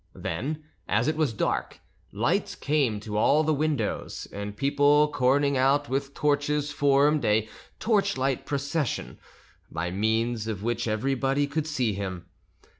Then, as it was dark, lights came to all the windows, and people corning out with torches formed a torchlight procession, by means of which everybody could see him.